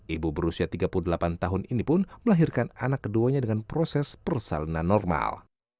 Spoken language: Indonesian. ibu berusia tiga puluh delapan tahun ini pun melahirkan anak keduanya dengan proses persalinan normal